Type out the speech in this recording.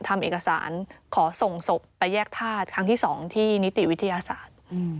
ทำเอกสารขอส่งศพไปแยกท่าครั้งที่๒ที่นิติวิทยาศาสตร์